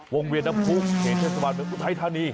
วงเวียนนับพุธเหตุเชษฐศาสตร์เป็นอุทัยธานี